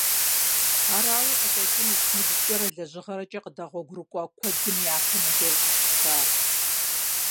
Арауи къыщӏэкӏынущ ныбжькӏэрэ лэжьыгъэрэкӏэ къыдэгъуэгурыкӏуа куэдым япэ Налор щӏищыфар.